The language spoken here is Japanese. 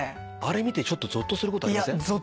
あれ見てちょっとぞっとすることありません？